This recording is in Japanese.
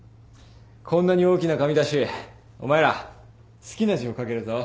こんなに大きな紙だしお前ら好きな字を書けるぞ。